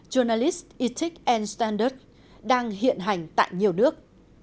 journalist ethics and standards đang hiện hành tại nhiều nước